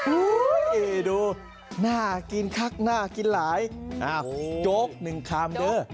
ดูน่ากินคักน่ากินหลายโจ๊กหนึ่งคำเด้อ